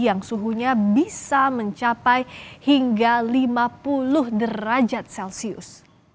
yang suhunya bisa mencapai hingga lima puluh derajat celcius